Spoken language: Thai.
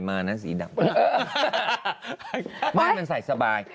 ไม่มันใส่สบาย